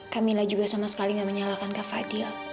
kak mila juga sama sekali gak menyalahkan kak fadil